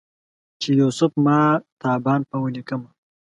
چې یوسف ماه تابان په ولیکمه